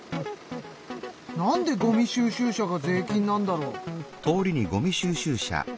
なんでごみ収集車が税金なんだろう？